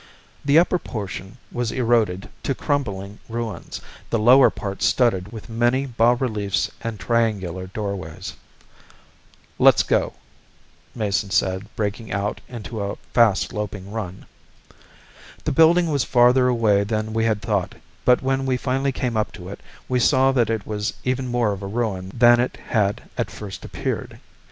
The upper portion was eroded to crumbling ruins, the lower part studded with many bas reliefs and triangular doorways. "Let's go," Mason said, breaking out into a fast loping run. The building was farther away than we had thought, but when we finally came up to it, we saw that it was even more of a ruin than it had at first appeared.